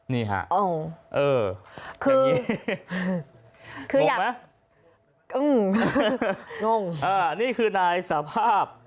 นี่ฮะเออแบบนี้คืองงไหมงงนี่คือนายสภาพ